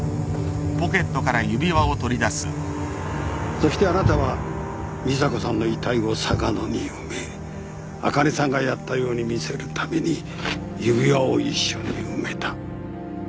・そしてあなたは美砂子さんの遺体を嵯峨野に埋めあかねさんがやったように見せるために指輪を一緒に埋めた。